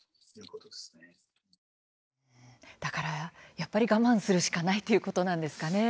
やっぱり我慢するしかないということなんですかね。